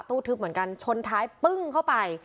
ทึบเหมือนกันชนท้ายปึ้งเข้าไป